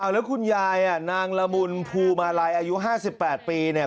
เอาแล้วคุณยายนางรมุนภูมาไร่อายุ๕๘ปี